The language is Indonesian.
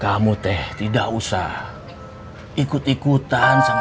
kamu teh tidak usah ikut ikutan sama si